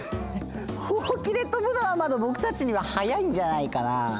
ほうきでとぶのはまだぼくたちには早いんじゃないかなあ。